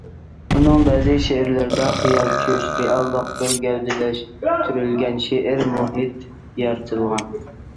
ئۇنىڭ بەزى شېئىرلىرىدا خىيال، چۈش، رېئاللىق بىر گەۋدىلەشتۈرۈلگەن شېئىرىي مۇھىت يارىتىلغان.